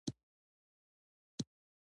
د حکمران سترګې تکې سرې شوې، غوسه یې زیاتېده.